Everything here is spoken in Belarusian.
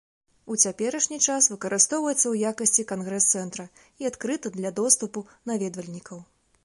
У цяперашні час выкарыстоўваецца ў якасці кангрэс-цэнтра і адкрыты для доступу наведвальнікаў.